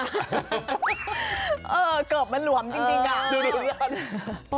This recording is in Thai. เกือบมันหลวมจริงค่ะง่อน